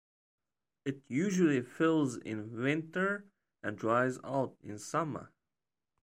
It usually fills in winter and dries out in summer.